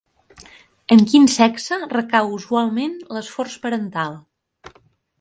En quin sexe recau usualment l'esforç parental?